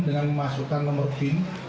dengan memasukkan nomor pin